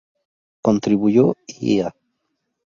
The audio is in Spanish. Contribuyó i.a.